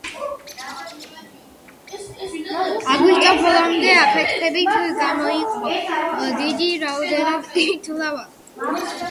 აგვისტოს ბოლომდე აფეთქებებით გამოიყო დიდი რაოდენობით ლავა, რასაც კრაკატაუს ქვეშ მიწისქვეშა კამერის დაცარიელება მოჰყვა.